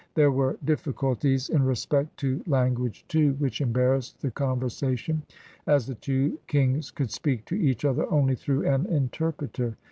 There were difficulties in respect to language, too, which embarrassed the conversation, as the two kings could speak to each other only through an interpreter.